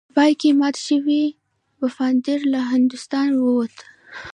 په پای کې مات شوی پفاندر له هندوستانه ووت.